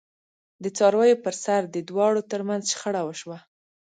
د څارویو پرسر د دواړو ترمنځ شخړه وشوه.